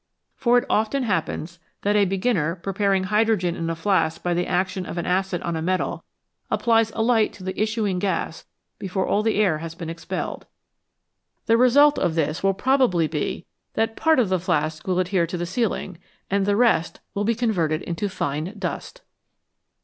For it often happens that a beginner, preparing hydrogen in a flask by the action of an acid on a metal, applies a light to the issuing gas before all the air has been expelled. The result of this will probably be that part of the flask will adhere to the ceiling, and the rest will be converted into fine dust.